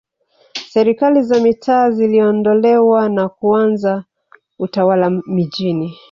Serikali za mitaa ziliondolewa na kuanza Utawala mijini